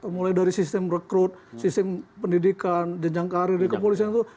mulai dari sistem rekrut sistem pendidikan jenjang karir di kepolisian itu